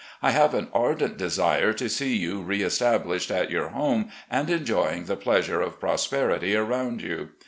I have an ardent desire to see you re established at your home and enjoying the pleasure of prosperity around you.